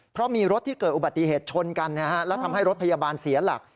เพราะมีรถที่เกิดอุบัติเหตุชนกันแล้วทำให้รถพยาบาลเสียหลัก